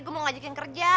gua mau ngajakin kerja